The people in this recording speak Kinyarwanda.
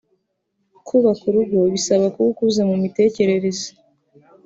Kubaka urugo bisaba kuba ukuze mu mitekerereze